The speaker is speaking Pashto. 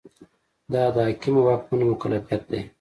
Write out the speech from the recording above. دا د حاکمو واکمنو مکلفیت دی.